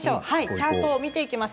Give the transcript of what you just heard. チャートを見ていきます。